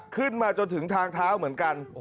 ขึ้นมาจนถึงทางเท้าเหมือนกัน